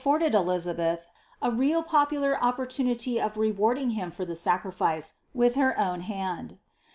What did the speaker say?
rded Elizabeth a really popular opportunity of rewarding him for the sacrifice, with her own hand.